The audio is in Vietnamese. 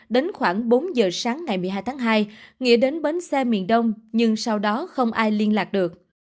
đến khoảng bốn giờ sáng ngày một mươi hai tháng hai nghĩa đến bến xe miền đông nhưng sau đó không ai liên lạc được